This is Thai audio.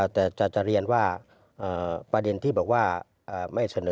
แต่จะเรียนว่าประเด็นที่บอกว่าไม่เสนอ